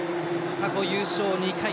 過去優勝２回。